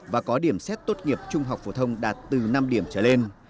và có điểm xét tốt nghiệp trung học phổ thông đạt từ năm điểm trở lên